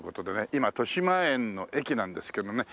今豊島園の駅なんですけどね